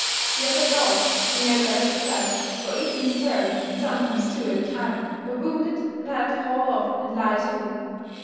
The other dogs had no better success; for each in his turn, and sometimes two at a time, were wounded, and had to haul off and lie too.